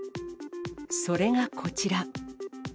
それがこちら。